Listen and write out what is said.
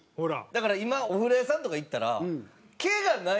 だから今お風呂屋さんとか行ったらえっ！